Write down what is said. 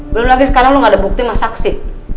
belum lagi sekarang lu gak ada bukti sama saksi